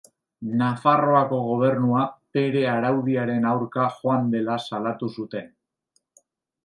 Nafarroako Gobernua bere araudiaren aurka joan dela salatu zuten.